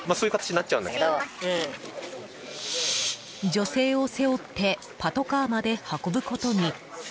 女性を背負ってパトカーまで運ぶことに。